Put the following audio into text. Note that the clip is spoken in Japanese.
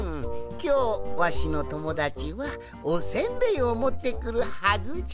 きょうわしのともだちはおせんべいをもってくるはずじゃ。